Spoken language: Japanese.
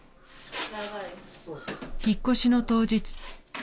［引っ越しの当日］